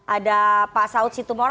ada pak saud situmpu